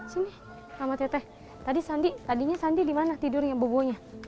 sini sama teteh tadi sandi tadinya sandi dimana tidurnya bumbunya